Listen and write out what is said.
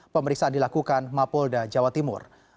pemeriksaan dilakukan mapolda jawa timur